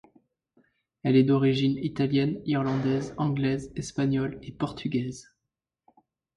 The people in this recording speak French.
Elle est d'origine italienne, irlandaise, anglaise, espagnole et portugaise.